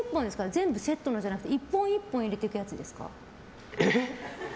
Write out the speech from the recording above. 全部セットのじゃなくて１本１本入れていくやつですか？